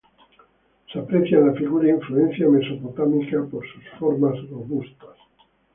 Se aprecia en la figura influencia mesopotámica por sus formas robustas.